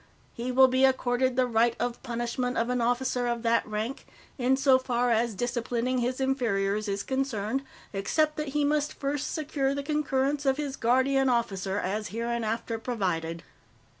"He will be accorded the right of punishment of an officer of that rank, insofar as disciplining his inferiors is concerned, except that he must first secure the concurrence of his Guardian Officer, as hereinafter provided.